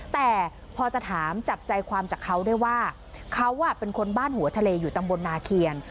แต่พอจะถามจับใจความจากเขาได้ว่าเขาเป็นคนบ้านหัวทะเลอยู่ตำบลนาเคียน